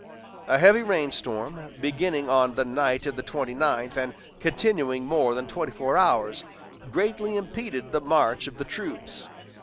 A heavy rain storm, beginning on the night of the twenty ninth and continuing more than twenty four hours, greatly impeded the march of the troops.